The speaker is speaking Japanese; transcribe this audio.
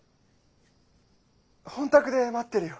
本宅で待ってるよ。